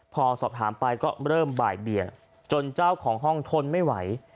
พอสอบถามไปก็เริ่มบ่ายเบียงจนเจ้าของห้องทนไม่ไหว